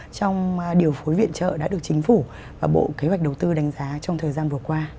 trong điều phối viện trợ đã được chính phủ và bộ kế hoạch đầu tư đánh giá trong thời gian vừa qua